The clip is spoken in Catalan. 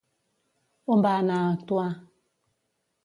On va anar a actuar?